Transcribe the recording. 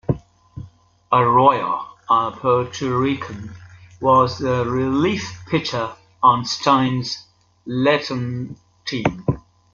Arroyo, a Puerto Rican, was the relief pitcher on Stein's Latin team.